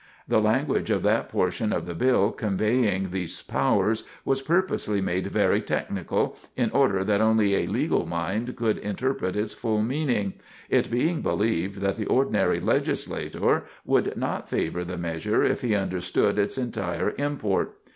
The language of that portion of the bill conveying these powers was purposely made very technical, in order that only a legal mind could interpret its full meaning, it being believed that the ordinary legislator would not favor the measure if he understood its entire import.